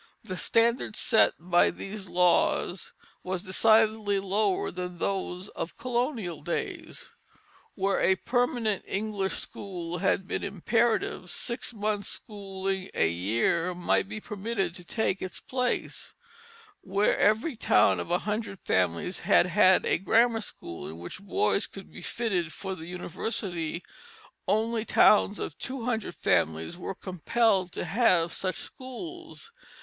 The standard set by these laws was decidedly lower than those of colonial days. Where a permanent English school had been imperative, six months schooling a year might be permitted to take its place; where every town of a hundred families had had a grammar school in which boys could be fitted for the university, only towns of two hundred families were compelled to have such schools.